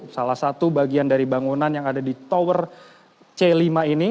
salah satu bagian dari bangunan yang ada di tower c lima ini